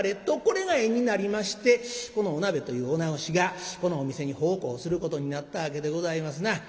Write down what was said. とこれが縁になりましてこのお鍋という女中がこのお店に奉公することになったわけでございますな。